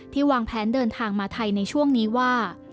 วางแผนเดินทางมาไทยในช่วงนี้ว่า